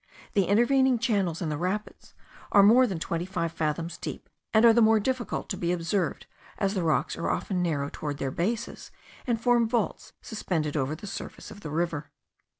The intervening channels in the rapids are more than twenty five fathoms deep; and are the more difficult to be observed, as the rocks are often narrow toward their bases, and form vaults suspended over the surface of the river.